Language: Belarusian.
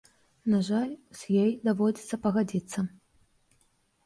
На жаль, з ёй даводзіцца пагадзіцца.